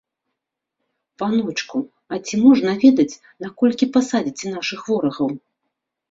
Паночку, а ці можна ведаць, на колькі пасадзіце нашых ворагаў?